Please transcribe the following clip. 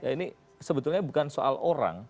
ini sebetulnya bukan soal orang